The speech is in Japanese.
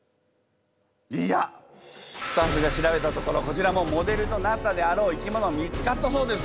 いやスタッフが調べたところこちらもモデルとなったであろう生きもの見つかったそうです。